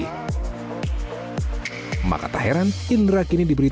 maka tak heran indra kini diberi tujuan untuk mencuri panggung sepak bola nasional